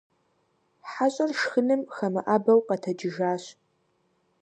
Хьэщӏэр шхыным хэмыӀэбэу къэтэджыжащ.